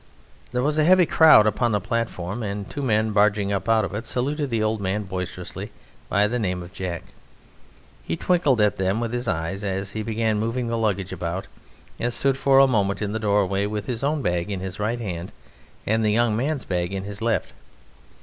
There was a heavy crowd upon the platform, and two men barging up out of it saluted the old man boisterously by the name of Jack. He twinkled at them with his eyes as he began moving the luggage about, and stood for a moment in the doorway with his own bag in his right hand and the young man's bag in his left.